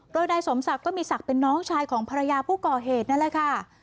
โดยนายสมศักดิ์ก็มีศักดิ์เป็นน้องชายของภรรยาผู้ก่อเหตุนั่นแหละค่ะ